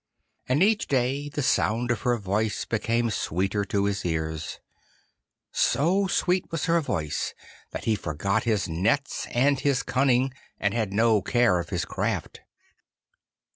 And each day the sound of her voice became sweeter to his ears. So sweet was her voice that he forgot his nets and his cunning, and had no care of his craft.